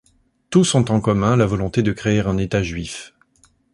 Tous ont en commun la volonté de créer un État juif.